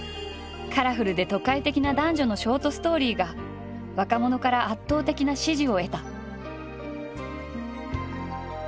カラフルで都会的な男女のショートストーリーが若者から圧倒的な支持を得た。